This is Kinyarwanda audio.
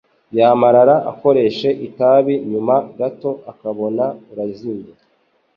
yamarara akoreshe itabi nyuma gato ukabona arazimye